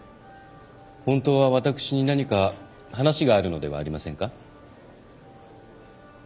本当は私に何か話があるのではありませんか？